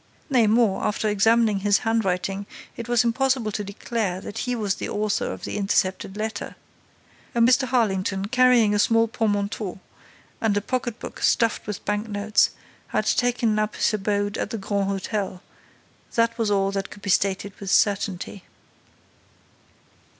Nay, more, after examining his handwriting, it was impossible to declare that he was the author of the intercepted letter. A Mr. Harlington, carrying a small portmanteau and a pocket book stuffed with bank notes, had taken up his abode at the Grand Hôtel: that was all that could be stated with certainty.